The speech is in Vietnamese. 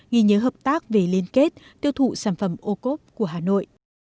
ghi nhớ hợp tác về liên kết tiêu thụ sản phẩm ocob của hà nội